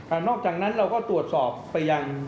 นอกจากนั้นเราก็ตรวจสอบไปยัง